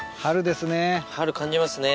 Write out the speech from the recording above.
春感じますね。